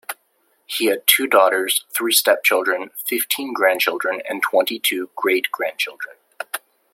He had two daughters, three step-children, fifteen grandchildren, and twenty-two great-grandchildren.